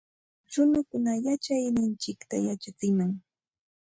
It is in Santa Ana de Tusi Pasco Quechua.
Runakunata yachayninchikta yachachinam